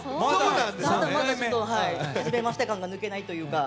まだまだはじめまして感が抜けないというか。